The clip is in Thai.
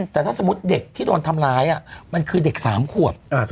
แต่ถ้าสมมติเด็กที่โดนทำร้ายเป็นเด็กสามขวบ